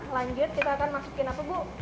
lanjut kita akan masukin apa bu